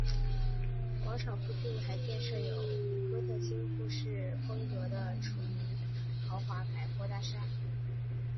广场附近还建设有哥特式复兴风格的楚闻明豪华百货大厦。